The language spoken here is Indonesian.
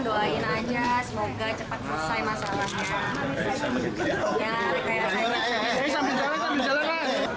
doain aja semoga cepat selesai masalahnya